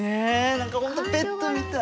何か本当ペットみたい。